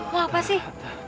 mau apa sih